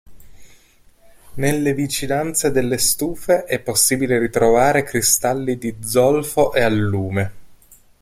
Nelle vicinanze delle stufe è possibile ritrovare cristalli di zolfo e allume.